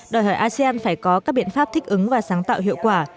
đòi hỏi asean phải có các biện pháp thích ứng và sáng tạo hiệu quả